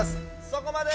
そこまで！